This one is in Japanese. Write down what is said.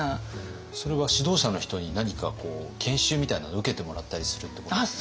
それは指導者の人に何かこう研修みたいなのを受けてもらったりするってことですか？